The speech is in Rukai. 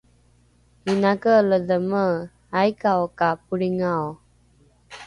inake ledheme aika’o ka polringao?